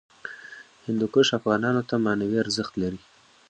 هندوکش افغانانو ته معنوي ارزښت لري.